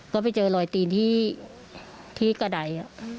ก็ไปเจอรอยตีนที่กระดาย